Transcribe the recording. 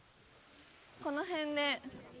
この辺で。